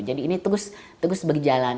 jadi ini terus berjalan